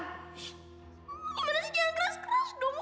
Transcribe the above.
gimana sih jangan keras keras dulu